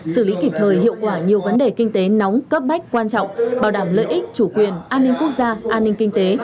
xử lý kịp thời hiệu quả nhiều vấn đề kinh tế nóng cấp bách quan trọng bảo đảm lợi ích chủ quyền an ninh quốc gia an ninh kinh tế